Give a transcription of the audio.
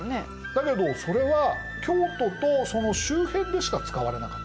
だけどそれは京都とその周辺でしか使われなかった。